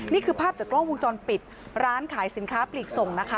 นี่คือภาพจากกล้องวงจรปิดร้านขายสินค้าปลีกส่งนะคะ